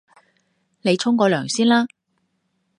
你沖個涼先啦